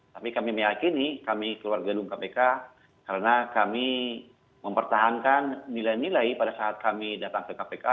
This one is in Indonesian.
tapi kami meyakini kami keluar gedung kpk karena kami mempertahankan nilai nilai pada saat kami datang ke kpk